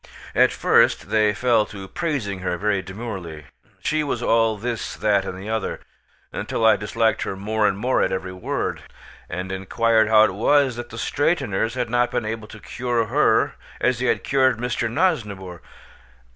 At first they fell to praising her very demurely. She was all this that and the other, till I disliked her more and more at every word, and inquired how it was that the straighteners had not been able to cure her as they had cured Mr. Nosnibor.